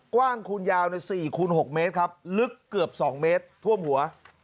คูณยาวใน๔คูณ๖เมตรครับลึกเกือบ๒เมตรท่วมหัว